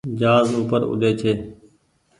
جهآز اوپر اوڏي ڇي۔